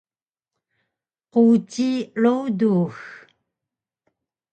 Quci rudux